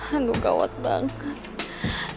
aduh gawat banget